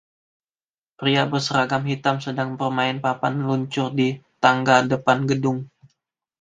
Pria berseragam hitam sedang bermain papan luncur di tangga depan gedung.